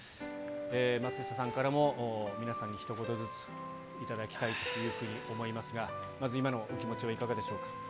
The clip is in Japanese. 松下さんからも、皆さんにひと言ずつ頂きたいというふうに思いますが、まず今のお気持ちはいかがでしょうか。